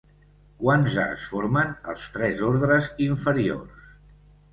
Quants arcs formen els tres ordres inferiors?